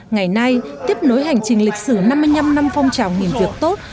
ngày nay tiếp nối hành trình lịch sử năm mươi năm năm phong trào nghỉ việc tốt